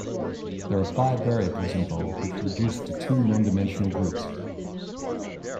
There are five variables involved which reduce to two non-dimensional groups.